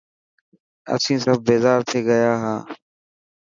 اسين سب بيزار ٿي گيا هان.